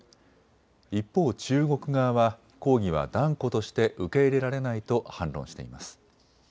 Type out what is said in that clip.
一方、中国側は抗議は断固として受け入れられないと反論しています。